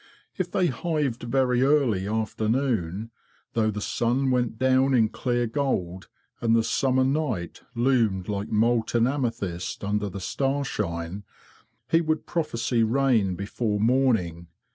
If they hived very early after noon, though the sun went down in clear gold and the summer night loomed like molten amethyst under the starshine, he would prophesy rain before morning.